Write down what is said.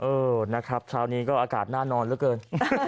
เออนะครับเช้านี้ก็อากาศน่านอนเหลือเกิน